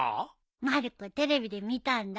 まる子テレビで見たんだ。